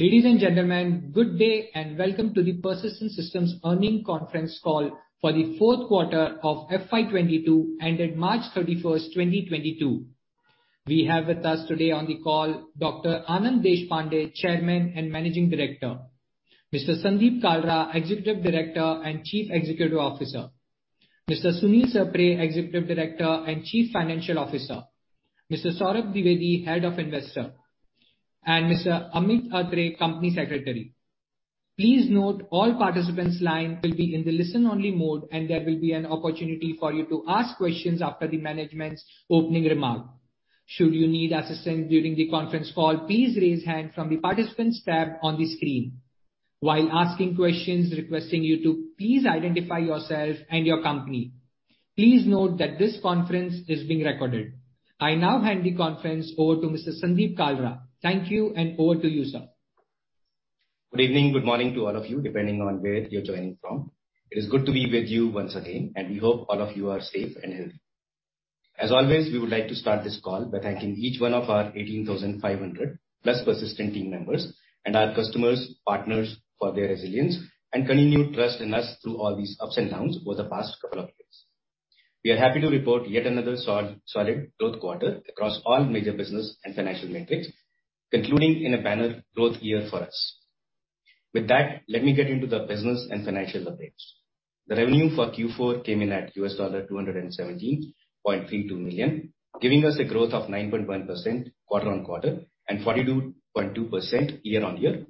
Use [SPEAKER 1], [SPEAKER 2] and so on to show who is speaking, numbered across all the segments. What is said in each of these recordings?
[SPEAKER 1] Ladies and gentlemen, good day and welcome to the Persistent Systems Earnings Conference Call for the fourth quarter of FY 2022, ended March 31, 2022. We have with us today on the call Dr. Anand Deshpande, Chairman and Managing Director, Mr. Sandeep Kalra, Executive Director and Chief Executive Officer, Mr. Sunil Sapre, Executive Director and Chief Financial Officer, Mr. Saurabh Dwivedi, Head of Investor Relations, and Mr. Amit Atre, Company Secretary. Please note all participants' lines will be in the listen-only mode, and there will be an opportunity for you to ask questions after the management's opening remark. Should you need assistance during the conference call, please raise hand from the Participants tab on the screen. While asking questions, requesting you to please identify yourself and your company. Please note that this conference is being recorded. I now hand the conference over to Mr. Sandeep Kalra. Thank you, and over to you, sir.
[SPEAKER 2] Good evening, good morning to all of you, depending on where you're joining from. It is good to be with you once again, and we hope all of you are safe and healthy. As always, we would like to start this call by thanking each one of our 18,500+ Persistent team members and our customers, partners for their resilience and continued trust in us through all these ups and downs over the past couple of years. We are happy to report yet another solid growth quarter across all major business and financial metrics, concluding in a banner growth year for us. With that, let me get into the business and financial updates. The revenue for Q4 came in at $217.32 million, giving us a growth of 9.1% quarter-over-quarter and 42.2% year-over-year.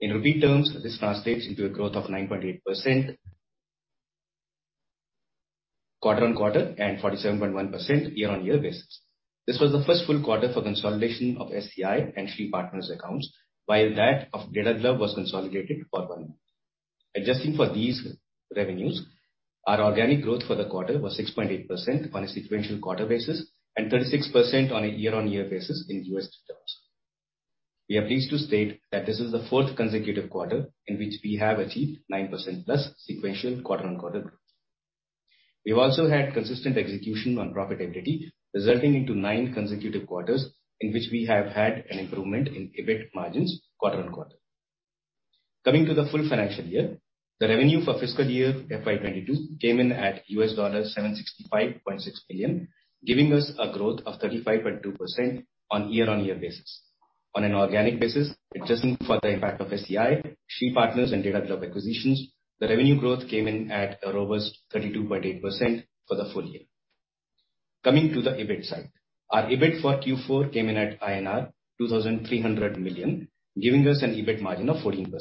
[SPEAKER 2] In INR terms, this translates into a growth of 9.8% quarter-over-quarter and 47.1% year-over-year. This was the first full quarter for consolidation of SCI and Shree Partners accounts, while that of Data Glove was consolidated for one month. Adjusting for these revenues, our organic growth for the quarter was 6.8% on a sequential quarter-over-quarter basis and 36% on a year-over-year basis in USD terms. We are pleased to state that this is the fourth consecutive quarter in which we have achieved 9%+ sequential quarter-over-quarter growth. We've also had consistent execution on profitability, resulting into 9 consecutive quarters in which we have had an improvement in EBIT margins quarter on quarter. Coming to the full financial year, the revenue for fiscal year FY 2022 came in at $765.6 million, giving us a growth of 35.2% on year-on-year basis. On an organic basis, adjusting for the impact of SCI, Shree Partners and Data Glove acquisitions, the revenue growth came in at a robust 32.8% for the full year. Coming to the EBIT side. Our EBIT for Q4 came in at INR 2,300 million, giving us an EBIT margin of 14%.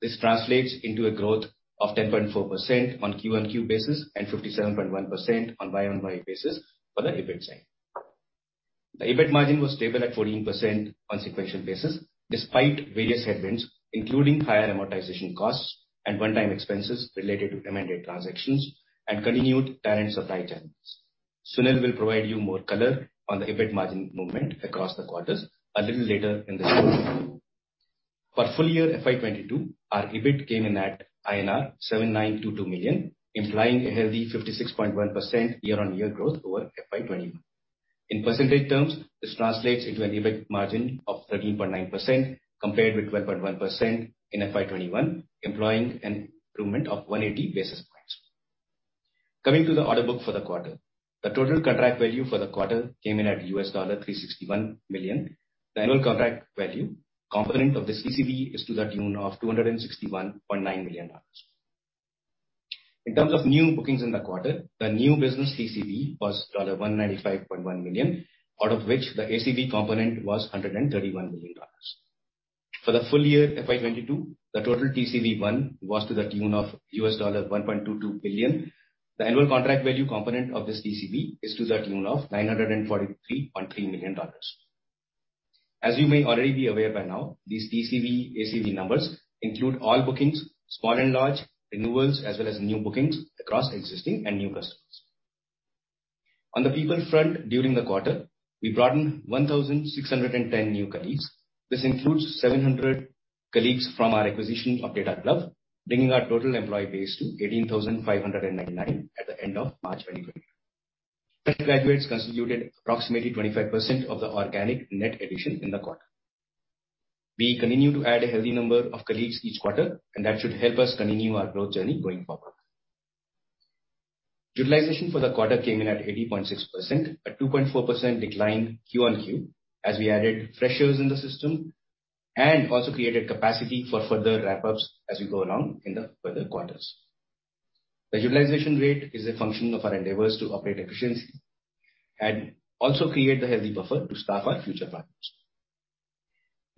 [SPEAKER 2] This translates into a growth of 10.4% on Q on Q basis and 57.1% on Y on Y basis for the EBIT side. The EBIT margin was stable at 14% on sequential basis despite various headwinds, including higher amortization costs and one-time expenses related to M&A transactions and continued talent supply challenges. Sunil will provide you more color on the EBIT margin movement across the quarters a little later in the call. For full-year FY 2022, our EBIT came in at INR 792.2 million, implying a healthy 56.1% year-on-year growth over FY 2021. In percentage terms, this translates into an EBIT margin of 13.9% compared with 12.1% in FY 2021, implying an improvement of 180 basis points. Coming to the order book for the quarter. The total contract value for the quarter came in at $361 million. The annual contract value component of this ACV is to the tune of $261.9 million. In terms of new bookings in the quarter, the new business TCV was $195.1 million, out of which the ACV component was $131 million. For the full year FY 2022, the total TCV won was to the tune of $1.22 billion. The annual contract value component of this TCV is to the tune of $943.3 million. As you may already be aware by now, these TCV, ACV numbers include all bookings, spot and long, renewals, as well as new bookings across existing and new customers. On the people front during the quarter, we brought in 1,610 new colleagues. This includes 700 colleagues from our acquisition of Data Glove, bringing our total employee base to 18,599 at the end of March 2020. Tech graduates constituted approximately 25% of the organic net addition in the quarter. We continue to add a healthy number of colleagues each quarter, and that should help us continue our growth journey going forward. Utilization for the quarter came in at 80.6%, a 2.4% decline quarter-on-quarter as we added freshers in the system and also created capacity for further ramp-ups as we go along in the further quarters. The utilization rate is a function of our endeavors to operate efficiently and also create the healthy buffer to staff our future partners.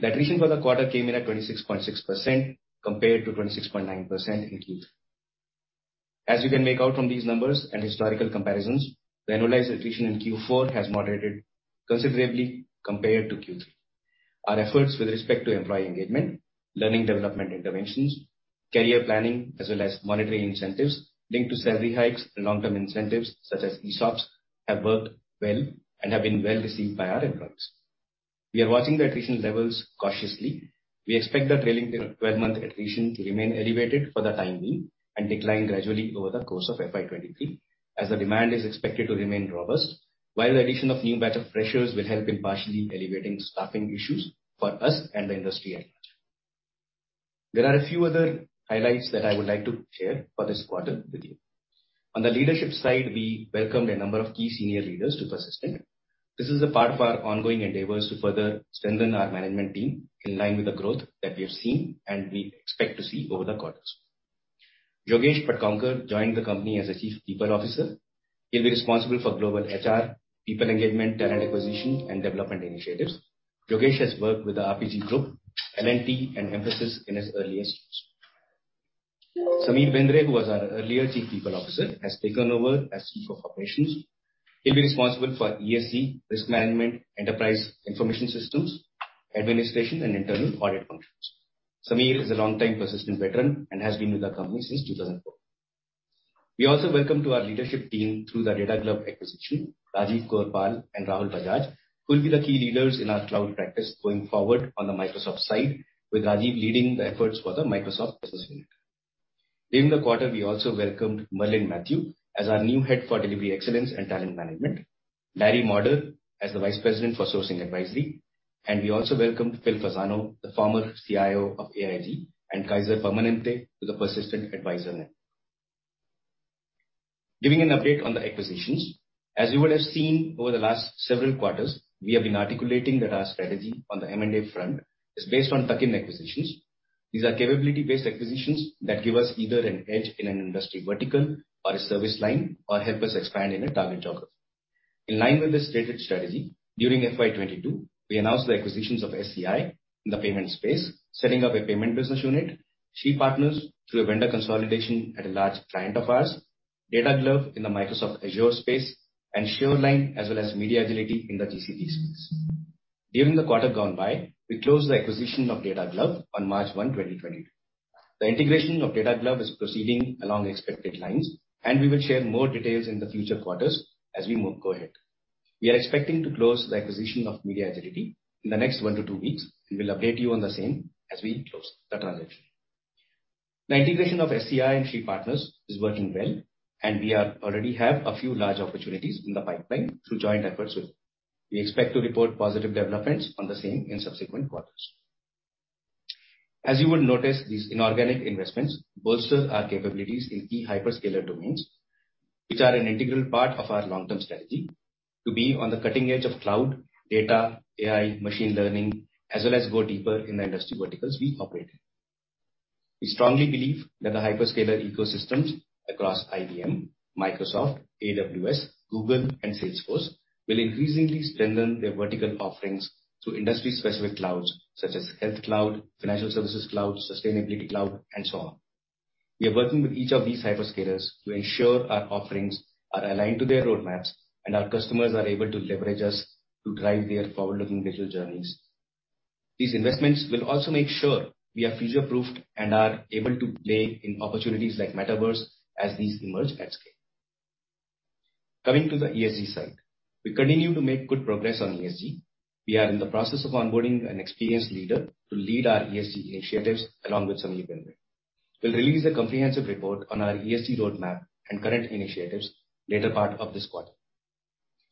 [SPEAKER 2] The attrition for the quarter came in at 26.6% compared to 26.9% in Q3. As you can make out from these numbers and historical comparisons, the annualized attrition in Q4 has moderated considerably compared to Q3. Our efforts with respect to employee engagement, learning development interventions, career planning, as well as monetary incentives linked to salary hikes and long-term incentives such as ESOPs have worked well and have been well received by our employees. We are watching the attrition levels cautiously. We expect the trailing twelve-month attrition to remain elevated for the time being and decline gradually over the course of FY 2023 as the demand is expected to remain robust while the addition of new batch of freshers will help in partially alleviating staffing issues for us and the industry at large. There are a few other highlights that I would like to share for this quarter with you. On the leadership side, we welcomed a number of key senior leaders to Persistent. This is a part of our ongoing endeavors to further strengthen our management team in line with the growth that we have seen and we expect to see over the quarters. Yogesh Patgaonkar joined the company as the Chief People Officer. He'll be responsible for global HR, people engagement, talent acquisition, and development initiatives. Yogesh Patgaonkar has worked with the RPG Group, L&T, and Mphasis in his earlier stints. Sameer Bendre, who was our earlier Chief People Officer, has taken over as Chief of Operations. He'll be responsible for ESG, risk management, enterprise information systems, administration, and internal audit functions. Sameer Bendre is a longtime Persistent veteran and has been with the company since 2004. We also welcome to our leadership team through the Data Glove acquisition, Rajiv Korpal and Rahul Bajaj, who will be the key leaders in our cloud practice going forward on the Microsoft side, with Rajiv leading the efforts for the Microsoft business unit. During the quarter, we also welcomed Merlin Matthew as our new head for delivery excellence and talent management. Larry Modder as the Vice President for sourcing advisory. We also welcomed Phil Fasano, the former CIO of AIG and Kaiser Permanente, to the Persistent advisor network. Giving an update on the acquisitions. As you would have seen over the last several quarters, we have been articulating that our strategy on the M&A front is based on tuck-in acquisitions. These are capability-based acquisitions that give us either an edge in an industry vertical or a service line or help us expand in a target geography. In line with this stated strategy, during FY 2022 we announced the acquisitions of SCI in the payment space, setting up a payment business unit, Shree Partners through a vendor consolidation at a large client of ours, Data Glove in the Microsoft Azure space, Sureline as well as MediaAgility in the GCP space. During the quarter gone by, we closed the acquisition of Data Glove on March 1, 2020. The integration of Data Glove is proceeding along expected lines, and we will share more details in the future quarters as we go ahead. We are expecting to close the acquisition of MediaAgility in the next one to two weeks, and we'll update you on the same as we close the transaction. The integration of SCI and Shree Partners is working well, and we already have a few large opportunities in the pipeline through joint efforts with them. We expect to report positive developments on the same in subsequent quarters. As you will notice, these inorganic investments bolster our capabilities in key hyperscaler domains, which are an integral part of our long-term strategy to be on the cutting edge of cloud, data, AI, machine learning, as well as go deeper in the industry verticals we operate in. We strongly believe that the hyperscaler ecosystems across IBM, Microsoft, AWS, Google, and Salesforce will increasingly strengthen their vertical offerings through industry-specific clouds such as health cloud, financial services cloud, sustainability cloud, and so on. We are working with each of these hyperscalers to ensure our offerings are aligned to their roadmaps, and our customers are able to leverage us to drive their forward-looking digital journeys. These investments will also make sure we are future-proofed and are able to play in opportunities like metaverse as these emerge at scale. Coming to the ESG side. We continue to make good progress on ESG. We are in the process of onboarding an experienced leader to lead our ESG initiatives, along with Sameer Bendre. We'll release a comprehensive report on our ESG roadmap and current initiatives later part of this quarter.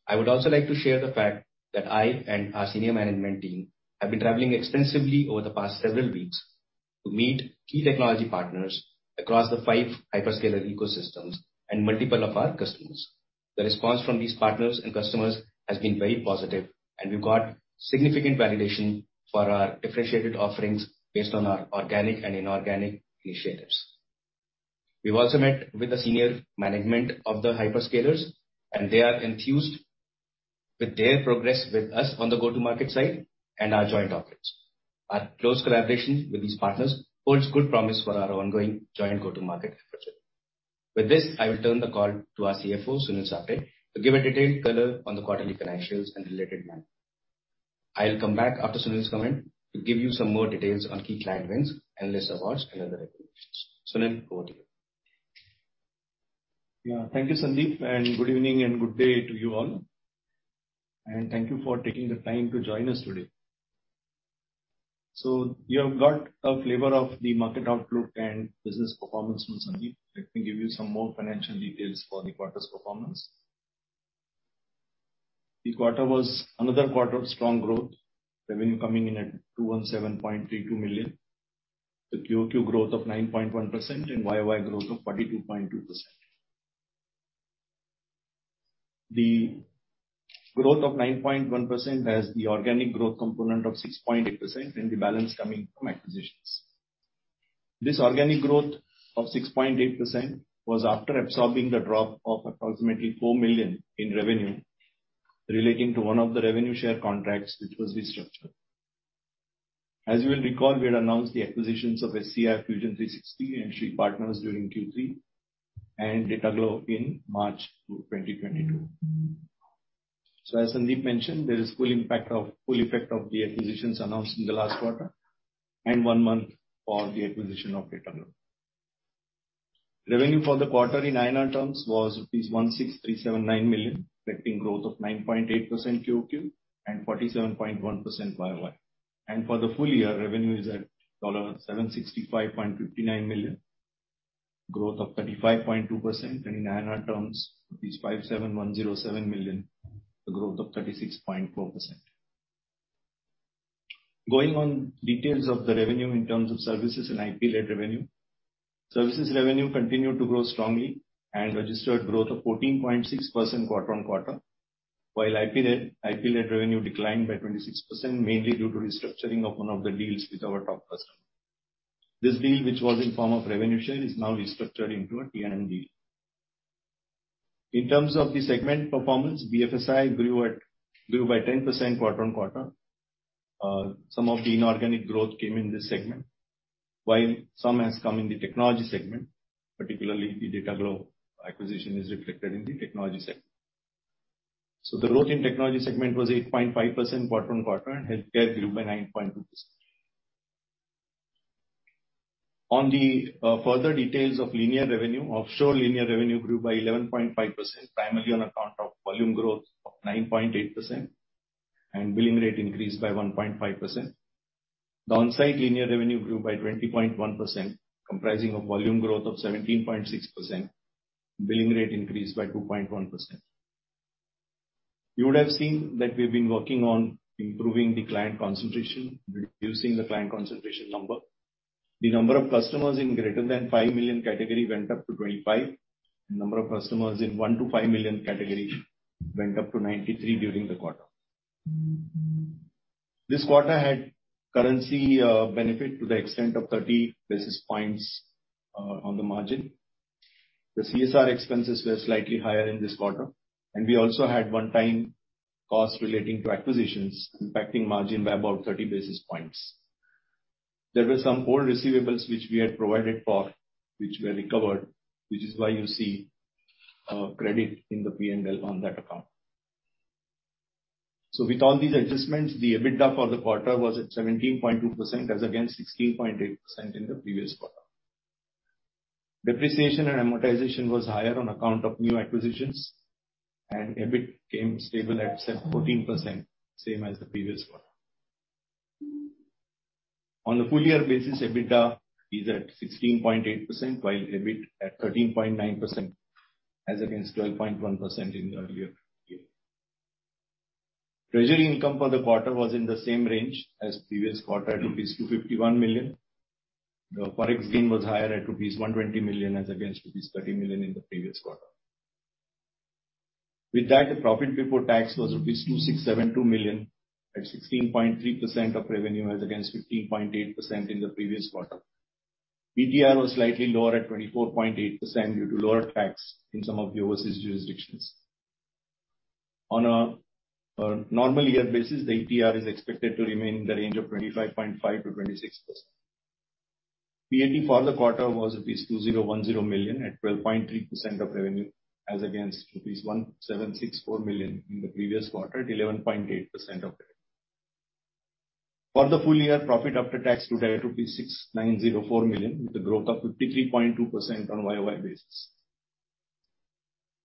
[SPEAKER 2] I would also like to share the fact that I and our senior management team have been traveling extensively over the past several weeks to meet key technology partners across the five hyperscaler ecosystems and multiple of our customers. The response from these partners and customers has been very positive, and we've got significant validation for our differentiated offerings based on our organic and inorganic initiatives. We've also met with the senior management of the hyperscalers, and they are enthused with their progress with us on the go-to-market side and our joint offerings. Our close collaboration with these partners holds good promise for our ongoing joint go-to-market efforts. With this, I will turn the call to our CFO, Sunil Sapre, to give a detailed color on the quarterly financials and related matters. I'll come back after Sunil's comment to give you some more details on key client wins and list of awards and other recognitions. Sunil, over to you.
[SPEAKER 3] Yeah. Thank you, Sandeep, and good evening and good day to you all. Thank you for taking the time to join us today. You have got a flavor of the market outlook and business performance from Sandeep. Let me give you some more financial details for the quarter's performance. This quarter was another quarter of strong growth. Revenue coming in at $217.32 million. The QOQ growth of 9.1% and YOY growth of 42.2%. The growth of 9.1% has the organic growth component of 6.8% and the balance coming from acquisitions. This organic growth of 6.8% was after absorbing the drop of approximately $4 million in revenue relating to one of the revenue share contracts which was restructured. As you will recall, we had announced the acquisitions of SCI Fusion 360 and Shree Partners during Q3 and Data Glove in March 2022. As Sandeep mentioned, there is full effect of the acquisitions announced in the last quarter and one month for the acquisition of Data Glove. Revenue for the quarter in INR terms was 1,637.9 million, reflecting growth of 9.8% QoQ and 47.1% YoY. For the full year, revenue is at $765.59 million. Growth of 35.2%. In INR terms, 57,107 million, a growth of 36.4%. Going on details of the revenue in terms of services and IP-led revenue. Services revenue continued to grow strongly and registered growth of 14.6% quarter-on-quarter. While IP-led revenue declined by 26%, mainly due to restructuring of one of the deals with our top customer. This deal, which was in form of revenue share, is now restructured into a T&M. In terms of the segment performance, BFSI grew by 10% quarter-on-quarter. Some of the inorganic growth came in this segment, while some has come in the technology segment, particularly the Data Glove acquisition is reflected in the technology segment. The growth in technology segment was 8.5% quarter-on-quarter and healthcare grew by 9.2%. Further details of linear revenue, offshore linear revenue grew by 11.5%, primarily on account of volume growth of 9.8% and billing rate increased by 1.5%. The onsite linear revenue grew by 20.1%, comprising of volume growth of 17.6%, billing rate increased by 2.1%. You would have seen that we've been working on improving the client concentration, reducing the client concentration number. The number of customers in greater than $5 million category went up to 25. The number of customers in $1 million to $5 million category went up to 93 during the quarter. This quarter had currency benefit to the extent of 30 basis points on the margin. The CSR expenses were slightly higher in this quarter. We also had one-time costs relating to acquisitions impacting margin by about 30 basis points. There were some old receivables which we had provided for, which were recovered, which is why you see credit in the P&L on that account. With all these adjustments, the EBITDA for the quarter was at 17.2% as against 16.8% in the previous quarter. Depreciation and amortization was higher on account of new acquisitions and EBIT came stable at fourteen percent, same as the previous quarter. On a full year basis, EBITDA is at 16.8% while EBIT at 13.9% as against 12.1% in the earlier year. Treasury income for the quarter was in the same range as previous quarter, rupees 251 million. The Forex gain was higher at rupees 120 million as against rupees 30 million in the previous quarter. With that, the profit before tax was rupees 2,672 million at 16.3% of revenue as against 15.8% in the previous quarter. ETR was slightly lower at 24.8% due to lower tax in some of the overseas jurisdictions. On a normal year basis, the ETR is expected to remain in the range of 25.5%-26%. PAT for the quarter was rupees 2010 million at 12.3% of revenue as against rupees 1764 million in the previous quarter at 11.8% of revenue. For the full year, profit after tax stood at 6904 million with a growth of 53.2% on YOY basis.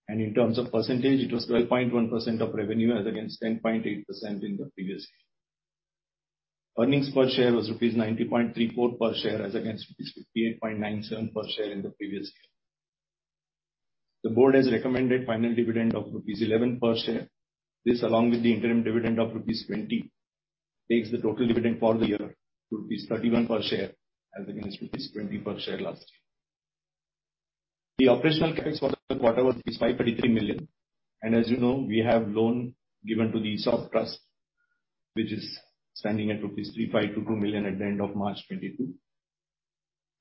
[SPEAKER 3] In terms of percentage, it was 12.1% of revenue as against 10.8% in the previous year. Earnings per share was rupees 90.34 per share as against rupees 58.97 per share in the previous year. The board has recommended final dividend of rupees 11 per share. This, along with the interim dividend of rupees 20, makes the total dividend for the year rupees 31 per share as against rupees 20 per share last year. The operational cash flow for the quarter was 533 million. As you know, we have loan given to the ESOP Trust, which is standing at rupees 352.2 million at the end of March 2022.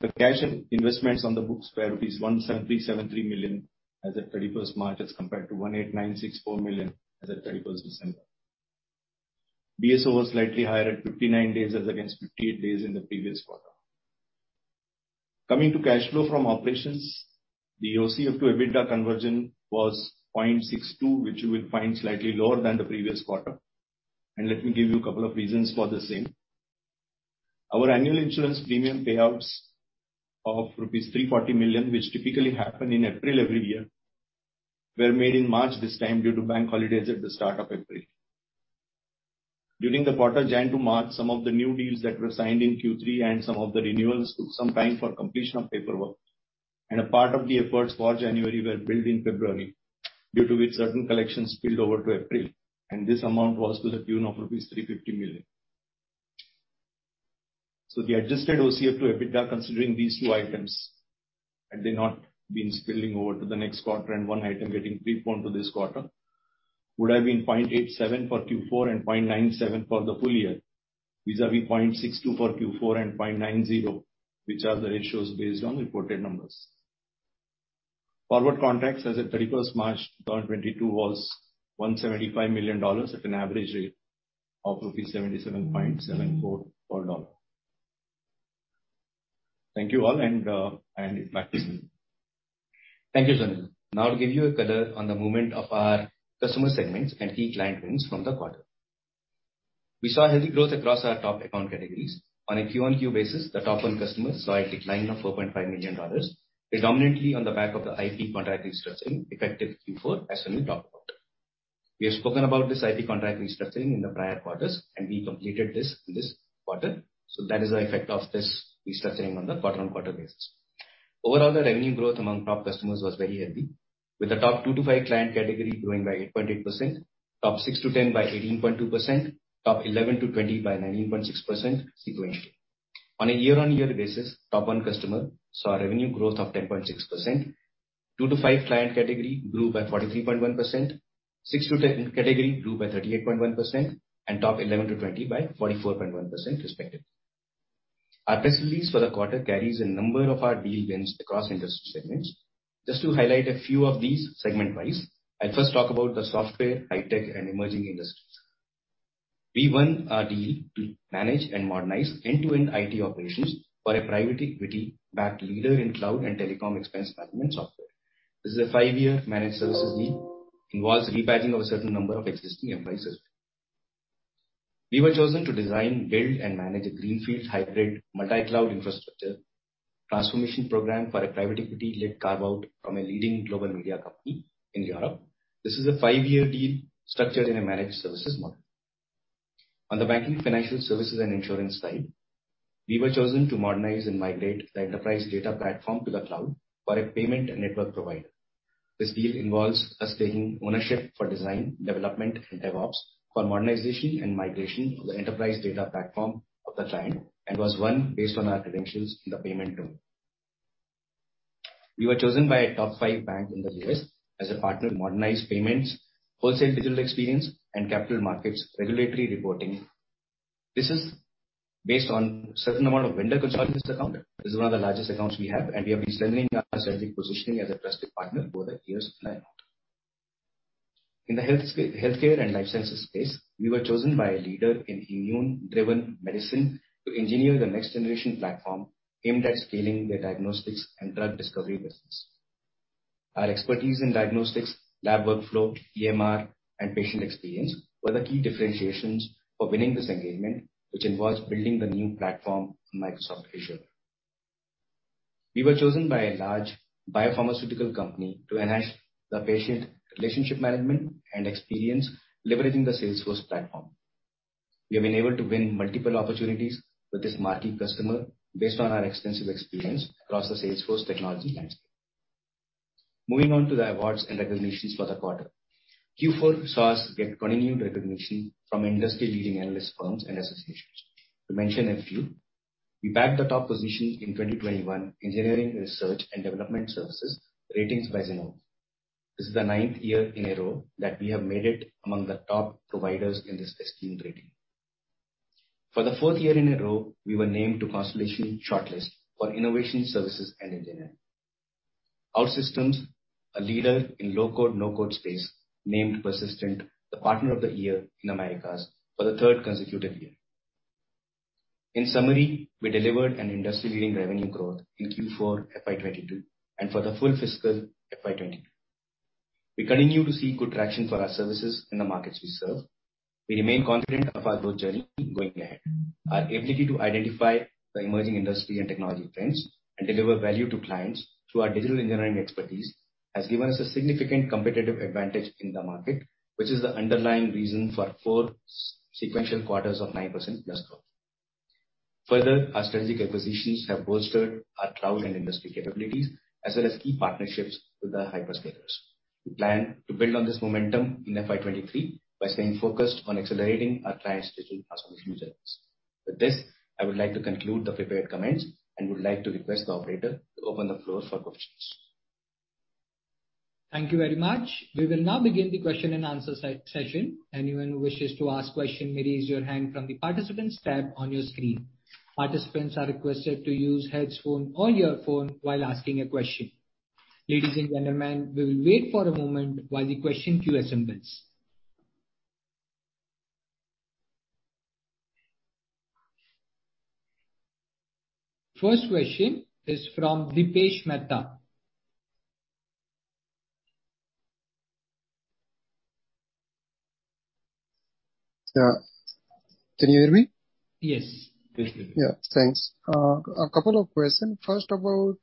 [SPEAKER 3] The cash and investments on the books were rupees 1,737.3 million as at 31 March as compared to 1,896.4 million as at 31 December. DSO was slightly higher at 59 days as against 58 days in the previous quarter. Coming to cash flow from operations, the OCF to EBITDA conversion was 0.62 which you will find slightly lower than the previous quarter. Let me give you a couple of reasons for the same. Our annual insurance premium payouts of rupees 340 million, which typically happen in April every year, were made in March this time due to bank holidays at the start of April. During the quarter January to March, some of the new deals that were signed in Q3 and some of the renewals took some time for completion of paperwork. A part of the efforts for January were billed in February, due to which certain collections spilled over to April. This amount was to the tune of rupees 350 million. The adjusted OCF to EBITDA considering these two items, had they not been spilling over to the next quarter and one item getting pre-billed to this quarter, would have been 0.87 for Q4 and 0.97 for the full year, vis-à-vis 0.62 for Q4 and 0.90, which are the ratios based on reported numbers. Forward contracts as at 31 March 2022 was $175 million at an average rate of rupees 77.74 per dollar. Thank you all and back to Sandeep.
[SPEAKER 2] Thank you, Sunil. Now to give you a color on the movement of our customer segments and key client wins from the quarter. We saw healthy growth across our top account categories. On a Q-on-Q basis, the top one customers saw a decline of $4.5 million, predominantly on the back of the IT contract restructuring effective Q4, as Sunil talked about. We have spoken about this IT contract restructuring in the prior quarters, and we completed this in this quarter, so that is the effect of this restructuring on the quarter-on-quarter basis. Overall, the revenue growth among top customers was very healthy, with the top two to five client category growing by 8.8%, top 6-10 by 18.2%, top 11-20 by 19.6% sequentially. On a year-on-year basis, top one customer saw a revenue growth of 10.6%, two to five client category grew by 43.1%, six to 10 category grew by 38.1%, and top 11 to 20 by 44.1% respectively. Our press release for the quarter carries a number of our deal wins across industry segments. Just to highlight a few of these segment-wise, I'll first talk about the software, high tech, and emerging industries. We won a deal to manage and modernize end-to-end IT operations for a private equity-backed leader in cloud and telecom expense management software. This is a five-year managed services deal. Involves repatching of a certain number of existing enterprises. We were chosen to design, build, and manage a greenfield hybrid multi-cloud infrastructure transformation program for a private equity-led carve-out from a leading global media company in Europe. This is a five-year deal structured in a managed services model. On the banking, financial services, and insurance side, we were chosen to modernize and migrate the enterprise data platform to the cloud for a payment and network provider. This deal involves us taking ownership for design, development, and DevOps for modernization and migration of the enterprise data platform of the client, and was won based on our credentials in the payment domain. We were chosen by a top five bank in the U.S. as a partner to modernize payments, wholesale digital experience, and capital markets regulatory reporting. This is based on certain amount of vendor consolidation account. This is one of the largest accounts we have, and we have been strengthening our strategic positioning as a trusted partner over the years nine out. In the healthcare and life sciences space, we were chosen by a leader in immune-driven medicine to engineer the next-generation platform aimed at scaling their diagnostics and drug discovery business. Our expertise in diagnostics, lab workflow, EMR, and patient experience were the key differentiations for winning this engagement, which involves building the new platform on Microsoft Azure. We were chosen by a large biopharmaceutical company to enhance the patient relationship management and experience leveraging the Salesforce platform. We have been able to win multiple opportunities with this marquee customer based on our extensive experience across the Salesforce technology landscape. Moving on to the awards and recognitions for the quarter. Q4 saw us get continued recognition from industry-leading analyst firms and associations. To mention a few, we bagged the top position in 2021 Engineering Research and Development Services ratings by Zinnov. This is the ninth year in a row that we have made it among the top providers in this esteemed rating. For the fourth year in a row, we were named to Constellation ShortList for innovation services and engineering. OutSystems, a leader in low-code, no-code space, named Persistent the Partner of the Year in Americas for the third consecutive year. In summary, we delivered an industry-leading revenue growth in Q4 FY 2022, and for the full fiscal FY 2022. We continue to see good traction for our services in the markets we serve. We remain confident of our growth journey going ahead. Our ability to identify the emerging industry and technology trends and deliver value to clients through our digital engineering expertise has given us a significant competitive advantage in the market, which is the underlying reason for four sequential quarters of 9%+ growth. Further, our strategic acquisitions have bolstered our cloud and industry capabilities, as well as key partnerships with the hyperscalers. We plan to build on this momentum in FY 2023 by staying focused on accelerating our clients' digital transformation journeys. With this, I would like to conclude the prepared comments and would like to request the operator to open the floor for questions.
[SPEAKER 1] Thank you very much. We will now begin the question and answer session. Anyone who wishes to ask question may raise your hand from the Participants tab on your screen. Participants are requested to use headphone or earphone while asking a question. Ladies and gentlemen, we will wait for a moment while the question queue assembles. First question is from Dipesh Mehta.
[SPEAKER 4] Yeah. Can you hear me?
[SPEAKER 1] Yes.
[SPEAKER 2] Yes, we can.
[SPEAKER 4] Yeah. Thanks. A couple of questions. First about,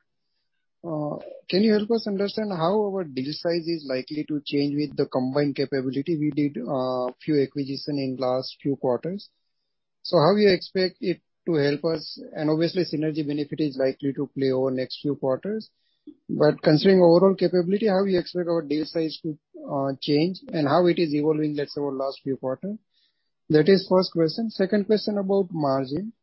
[SPEAKER 4] can you help us understand how our deal size is likely to change with the combined capability? We did, few acquisitions in last few quarters. So how you expect it to help us? And obviously synergy benefit is likely to play over next few quarters. But considering overall capability, how you expect our deal size to, change? And how it is evolving, let's say, over last few quarters? That is first question. Second question about margin.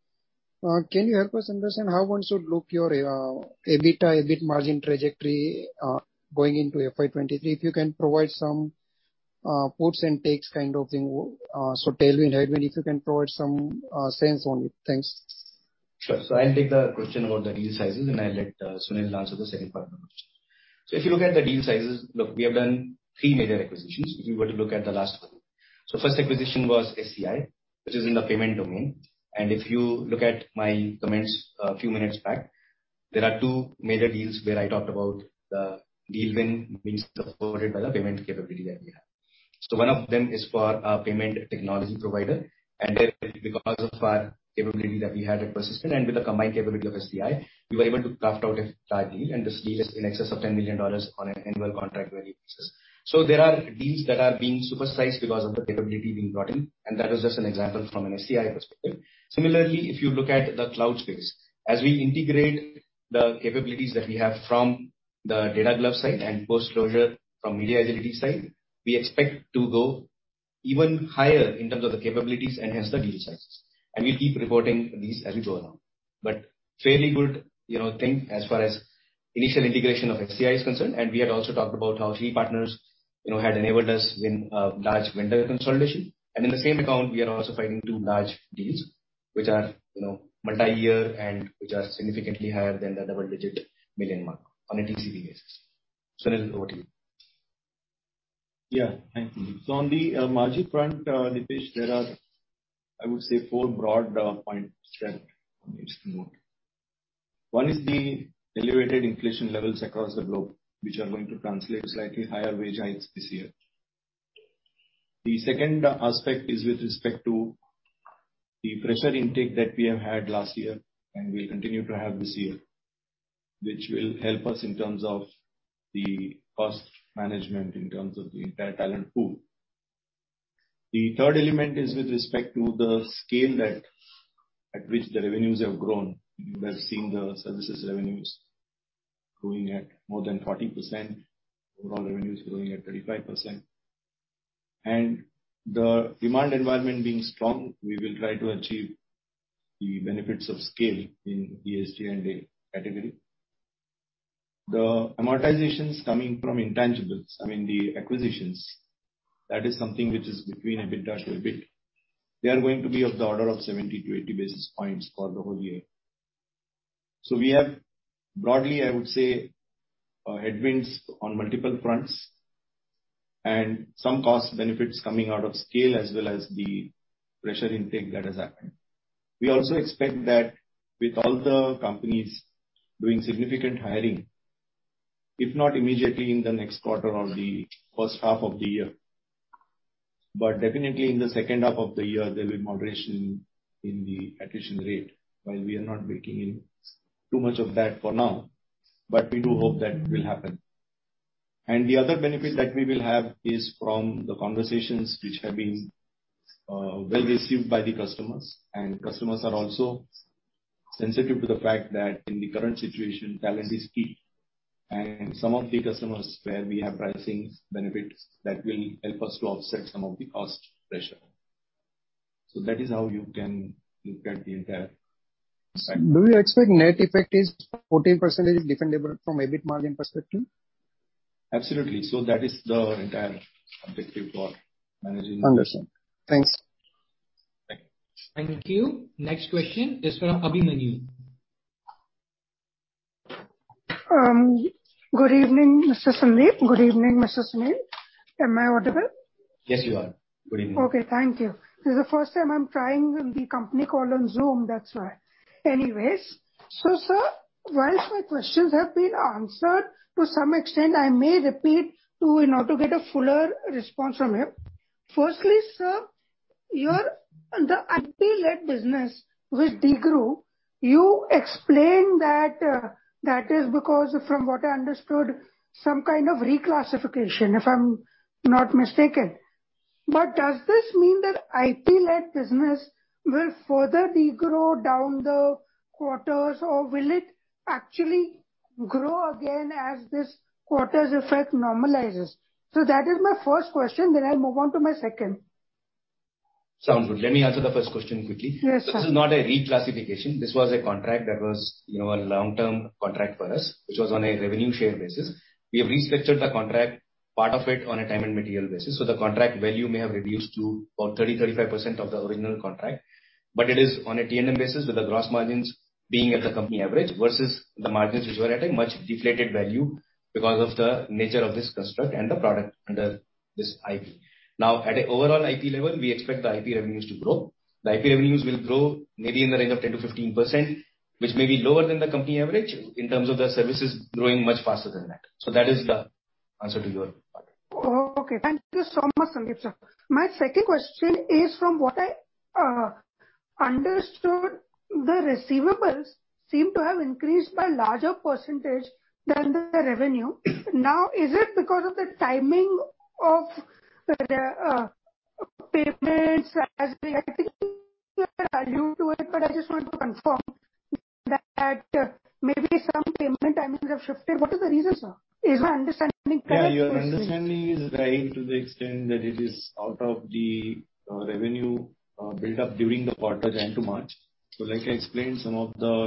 [SPEAKER 4] Can you help us understand how one should look your, EBITDA, EBIT margin trajectory, going into FY 2023? If you can provide some, puts and takes kind of thing, so tailwind, headwind, if you can provide some, sense on it. Thanks.
[SPEAKER 2] Sure. I'll take the question about the deal sizes, and I'll let Sunil answer the second part of the question. If you look at the deal sizes, look, we have done three major acquisitions, if you were to look at the last four. First acquisition was SCI, which is in the payment domain. If you look at my comments a few minutes back. There are two major deals where I talked about the deal win being supported by the payment capability that we have. One of them is for a payment technology provider, and there because of our capability that we had at Persistent and with the combined capability of SCI, we were able to craft out a large deal, and this deal is in excess of $10 million on an annual contract value basis. There are deals that are being supersized because of the capability being brought in, and that is just an example from an SDI perspective. Similarly, if you look at the cloud space, as we integrate the capabilities that we have from the Data Glove side and post-closure from MediaAgility side, we expect to go even higher in terms of the capabilities, enhance the deal sizes. We'll keep reporting these as we go along. Fairly good, you know, thing as far as initial integration of SCI is concerned. We had also talked about how three partners, you know, had enabled us win a large vendor consolidation. In the same account we are also fighting two large deals which are, you know, multi-year and which are significantly higher than the double-digit million mark on a TCV basis. Sunil, over to you.
[SPEAKER 3] Yeah. Thanks. On the margin front, Dipesh, there are, I would say, four broad points that I need to note. One is the elevated inflation levels across the globe, which are going to translate slightly higher wage hikes this year. The second aspect is with respect to the fresher intake that we have had last year, and we continue to have this year, which will help us in terms of the cost management, in terms of the entire talent pool. The third element is with respect to the scale that at which the revenues have grown. You have seen the services revenues growing at more than 40%, overall revenues growing at 35%. The demand environment being strong, we will try to achieve the benefits of scale in the SG&A category. The amortizations coming from intangibles, I mean, the acquisitions, that is something which is between EBITDA, EBIT. They are going to be of the order of 70-80 basis points for the whole year. We have broadly, I would say, headwinds on multiple fronts and some cost benefits coming out of scale as well as the fresher intake that has happened. We also expect that with all the companies doing significant hiring, if not immediately in the next quarter or the first half of the year, but definitely in the second half of the year, there'll be moderation in the attrition rate. While we are not baking in too much of that for now, but we do hope that will happen. The other benefit that we will have is from the conversations which have been well received by the customers. Customers are also sensitive to the fact that in the current situation, talent is key. Some of the customers where we have pricing benefits, that will help us to offset some of the cost pressure. That is how you can look at the entire spectrum.
[SPEAKER 4] Do you expect net effect is 14% is defendable from EBIT margin perspective?
[SPEAKER 3] Absolutely. That is the entire objective for managing.
[SPEAKER 4] Understood. Thanks.
[SPEAKER 3] Thank you.
[SPEAKER 1] Thank you. Next question is from
[SPEAKER 5] Good evening, Mr. Sunil Sapre. Am I audible?
[SPEAKER 2] Yes, you are. Good evening.
[SPEAKER 5] Okay, thank you. This is the first time I'm trying the company call on Zoom, that's why. Anyways, sir, while my questions have been answered to some extent, I may repeat in order to get a fuller response from you. Firstly, sir, the IT-led business which degrew, you explained that that is because, from what I understood, some kind of reclassification, if I'm not mistaken. But does this mean that IT-led business will further degrow down the quarters or will it actually grow again as this quarter's effect normalizes? That is my first question, then I'll move on to my second.
[SPEAKER 3] Sounds good. Let me answer the first question quickly.
[SPEAKER 5] Yes, sir.
[SPEAKER 3] This is not a reclassification. This was a contract that was, you know, a long-term contract for us, which was on a revenue share basis. We have restructured the contract, part of it on a time and material basis. The contract value may have reduced to about 30%-35% of the original contract, but it is on a TMM basis with the gross margins being at the company average versus the margins which were at a much deflated value because of the nature of this construct and the product under this IP. Now, at a overall IP level, we expect the IP revenues to grow. The IP revenues will grow maybe in the range of 10%-15%, which may be lower than the company average in terms of the services growing much faster than that. That is the answer to your part.
[SPEAKER 5] Okay. Thank you so much, Mr. Sunil Sapre. My second question is from what I understood, the receivables seem to have increased by larger percentage than the revenue. Now, is it because of the timing of the payments? I think you had alluded to it, but I just want to confirm that maybe some payment timings have shifted. What is the reason, sir? Is my understanding correct?
[SPEAKER 3] Yeah, your understanding is right to the extent that it is out of the revenue build-up during the quarter January to March. Like I explained, some of the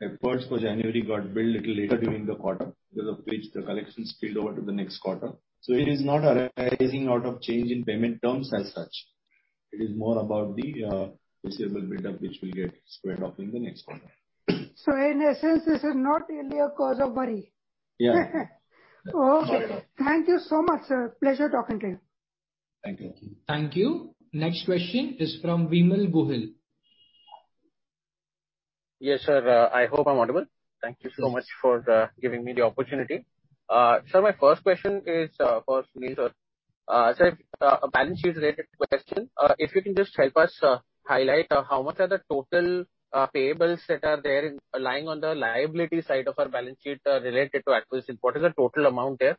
[SPEAKER 3] efforts for January got billed a little later during the quarter because of which the collections spilled over to the next quarter. It is not arising out of change in payment terms as such. It is more about the receivable build-up which will get squared off in the next quarter.
[SPEAKER 5] In essence, this is not really a cause of worry.
[SPEAKER 3] Yeah.
[SPEAKER 5] Okay. Thank you so much, sir. Pleasure talking to you.
[SPEAKER 3] Thank you.
[SPEAKER 1] Thank you. Next question is from Vimal Gohil.
[SPEAKER 6] Yes, sir. I hope I'm audible. Thank you so much for giving me the opportunity. My first question is for Sunil, sir. A balance sheet related question. If you can just help us highlight how much are the total payables that are there lying on the liability side of our balance sheet related to acquisition? What is the total amount there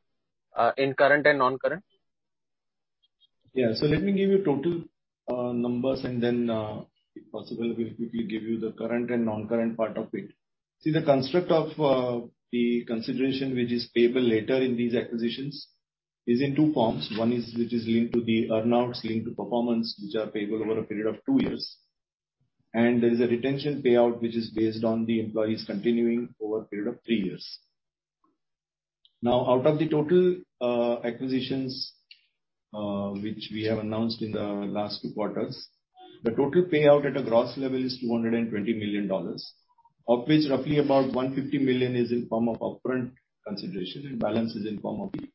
[SPEAKER 6] in current and non-current?
[SPEAKER 3] Yeah. Let me give you total numbers, and then, if possible, we'll quickly give you the current and non-current part of it. See, the construct of the consideration which is payable later in these acquisitions is in two forms. One is, which is linked to the earn-outs linked to performance, which are payable over a period of two years. There is a retention payout which is based on the employees continuing over a period of three years. Now, out of the total acquisitions which we have announced in the last two quarters, the total payout at a gross level is $220 million, of which roughly about $150 million is in form of upfront consideration and balance is in form of the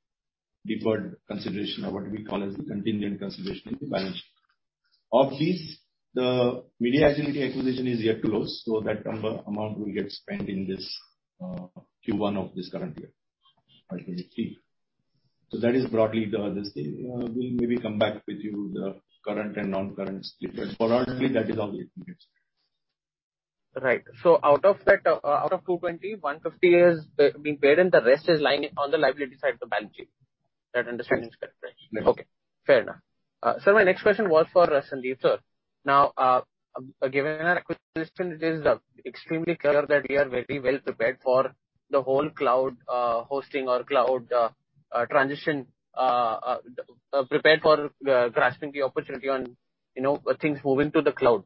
[SPEAKER 3] deferred consideration or what we call as the contingent consideration in the balance sheet. Of these, the MediaAgility acquisition is yet to close, so that number, amount will get spent in this, Q1 of this current year, or Q2. That is broadly this thing. We'll maybe come back with you the current and non-current split. For now, that is all we can get.
[SPEAKER 6] Out of 220, 150 is being paid and the rest is lying on the liability side of the balance sheet. That understanding is correct, right?
[SPEAKER 3] Yes.
[SPEAKER 6] Okay, fair enough. Sir, my next question was for Sandeep, sir. Now, given our acquisition, it is extremely clear that we are very well prepared for the whole cloud hosting or cloud transition. Prepared for grasping the opportunity on, you know, things moving to the cloud.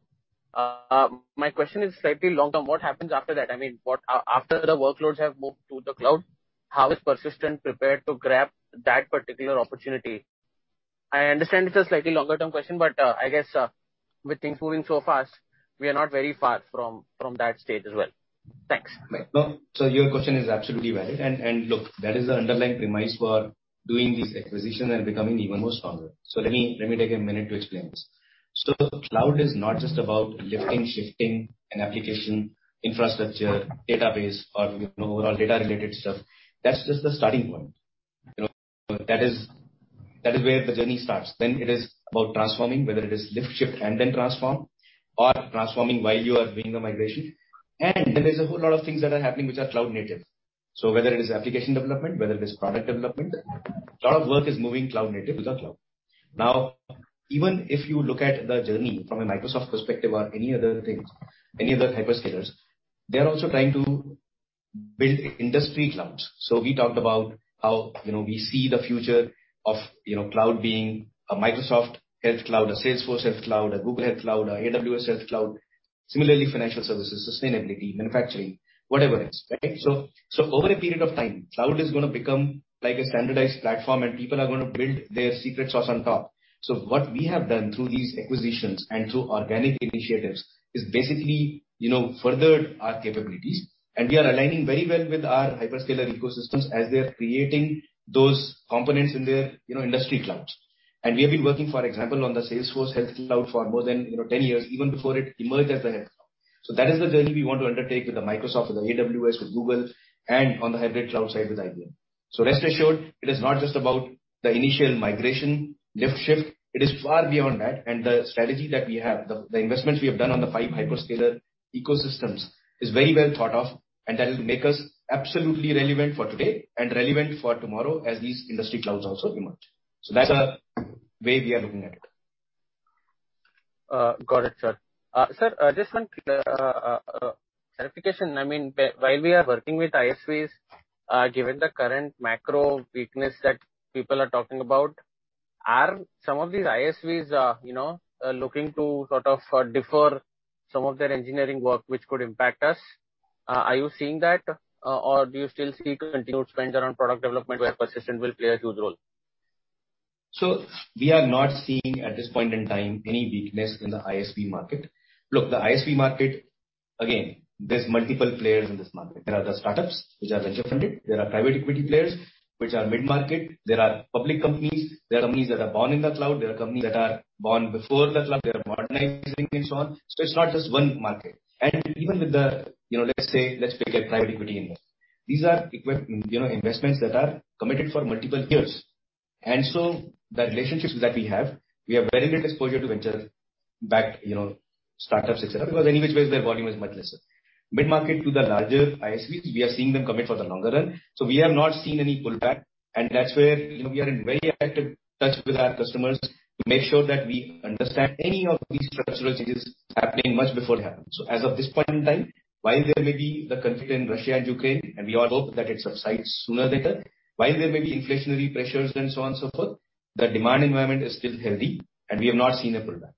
[SPEAKER 6] My question is slightly long-term. What happens after that? I mean, after the workloads have moved to the cloud, how is Persistent prepared to grab that particular opportunity? I understand it's a slightly longer term question, but, I guess, with things moving so fast, we are not very far from that stage as well. Thanks.
[SPEAKER 2] No. Your question is absolutely valid. Look, that is the underlying premise for doing these acquisitions and becoming even more stronger. Let me take a minute to explain this. Cloud is not just about lifting, shifting an application infrastructure database or, you know, overall data related stuff. That's just the starting point. You know, that is where the journey starts. Then it is about transforming, whether it is lift, shift, and then transform or transforming while you are doing the migration. There's a whole lot of things that are happening which are cloud native. Whether it is application development, whether it is product development, lot of work is moving cloud native with our cloud. Now, even if you look at the journey from a Microsoft perspective or any other things, any other hyperscalers, they are also trying to build industry clouds. We talked about how, you know, we see the future of, you know, cloud being a Microsoft Health Cloud, a Salesforce Health Cloud, a Google Health Cloud, a AWS Health Cloud. Similarly, financial services, sustainability, manufacturing, whatever it is, right? Over a period of time, cloud is gonna become like a standardized platform and people are gonna build their secret sauce on top. What we have done through these acquisitions and through organic initiatives is basically, you know, furthered our capabilities. We are aligning very well with our hyperscaler ecosystems as they are creating those components in their, you know, industry clouds. We have been working, for example, on the Salesforce Health Cloud for more than, you know, 10 years, even before it emerged as a health cloud. That is the journey we want to undertake with the Microsoft, with AWS, with Google, and on the hybrid cloud side with IBM. Rest assured, it is not just about the initial migration lift shift, it is far beyond that. The strategy that we have, the investments we have done on the five hyperscaler ecosystems is very well thought of, and that will make us absolutely relevant for today and relevant for tomorrow as these industry clouds also emerge. That's the way we are looking at it.
[SPEAKER 6] Got it, sir. Sir, just one clarification. I mean, while we are working with ISVs, given the current macro weakness that people are talking about, are some of these ISVs, you know, looking to sort of defer some of their engineering work which could impact us? Are you seeing that? Do you still see continued spend around product development where Persistent will play a huge role?
[SPEAKER 2] We are not seeing at this point in time any weakness in the ISV market. Look, the ISV market, again, there's multiple players in this market. There are the startups which are venture funded. There are private equity players which are mid-market. There are public companies. There are companies that are born in the cloud. There are companies that are born before the cloud. They are modernizing and so on. It's not just one market. Even with the, you know, let's say, let's pick a private equity investment. You know, investments that are committed for multiple years. The relationships that we have, we have very little exposure to venture-backed, you know, startups, et cetera. Because any which way, their volume is much lesser. Mid-market to the larger ISVs, we are seeing them commit for the longer run. We have not seen any pullback. That's where, you know, we are in very active touch with our customers to make sure that we understand any of these structural changes happening much before it happens. As of this point in time, while there may be the conflict in Russia and Ukraine, and we all hope that it subsides sooner than later. While there may be inflationary pressures and so on and so forth, the demand environment is still healthy, and we have not seen a pullback.